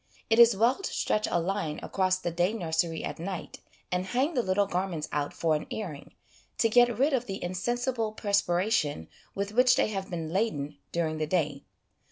It is well to stretch a line across the day nursery at night, and hang the little garments out for an airing, to get rid of the insensible perspiration with which they have been laden during the day.